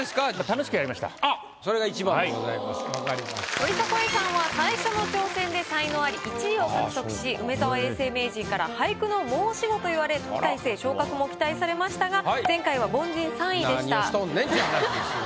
森迫永依さんは最初の挑戦で才能アリ１位を獲得し梅沢永世名人から「俳句の申し子」と言われ特待生昇格も期待されましたが何をしとんねんっちゅう話ですよね。